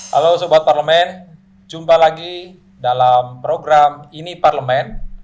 halo sebuah parlemen jumpa lagi dalam program ini parlemen